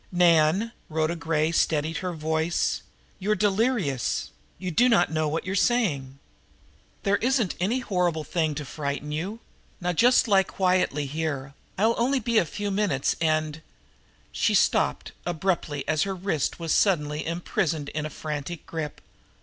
"Nan" Rhoda Gray steadied her voice "you re delirious. You do not know what you are saying. There isn't any horrible thing to frighten you. Now you just lie quietly here. I'll only be a few minutes, and " She stopped abruptly as her wrists were suddenly imprisoned in a frantic grip.